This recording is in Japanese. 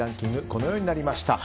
このようになりました。